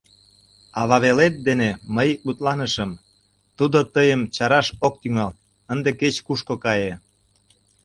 Ававелет дене мый мутланышым — тудо тыйым чараш ок тӱҥал, ынде кеч-кушко кае.